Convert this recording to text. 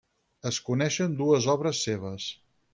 Es coneixen dues obres seves.